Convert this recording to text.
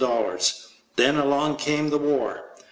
Then along came the war.